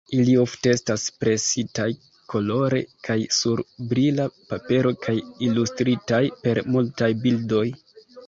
Ili ofte estas presitaj kolore kaj sur brila papero kaj ilustritaj per multaj bildoj.